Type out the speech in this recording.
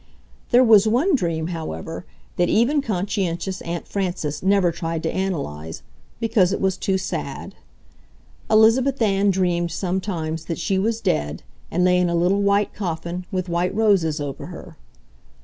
There was one dream, however, that even conscientious Aunt Frances never tried to analyze, because it was too sad. Elizabeth Ann dreamed sometimes that she was dead and lay in a little white coffin with white roses over her.